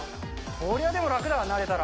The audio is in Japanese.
こりゃ、でも楽だわ、なれたら。